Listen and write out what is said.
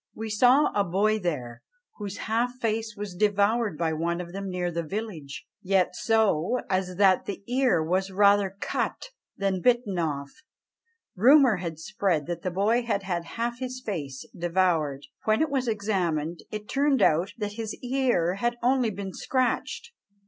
"We sawe a boy there, whose half face was devoured by one of them near the village; yet so, as that the eare was rather cut than bitten off." Rumour had spread that the boy had had half his face devoured; when it was examined, it turned out that his ear had only been scratched!